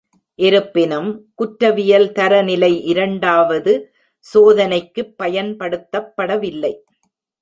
இருப்பினும், குற்றவியல் தரநில இரண்டாவது சோதனைக்குப் பயன்படுத்தப்படவில்லை.